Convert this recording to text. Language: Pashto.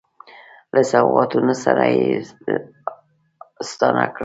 له سوغاتونو سره به یې ستانه کړل.